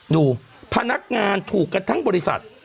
พนักงานถูกกันทั้งบริษัท